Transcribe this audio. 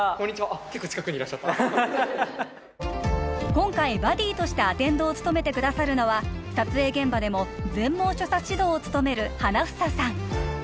あっ結構近くにいらっしゃった今回バディとしてアテンドを務めてくださるのは撮影現場でも全盲所作指導を務める花房さん